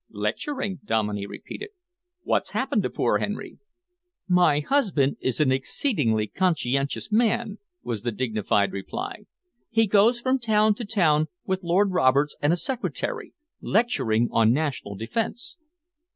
"Lecturing?" Dominey repeated. "What's happened to poor Henry?" "My husband is an exceedingly conscientious man," was the dignified reply. "He goes from town to town with Lord Roberts and a secretary, lecturing on national defence."